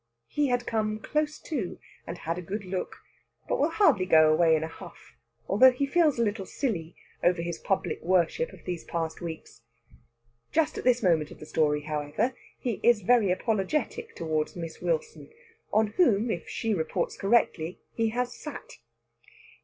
He had come close to, and had a good look; but he will hardly go away in a huff, although he feels a little silly over his public worship of these past weeks. Just at this moment of the story, however, he is very apologetic towards Miss Wilson; on whom, if she reports correctly, he has sat.